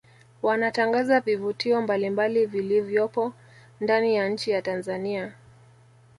Wanatangaza vivutio mbalimbali vilivyopo ndani ya nchi ya Tanzania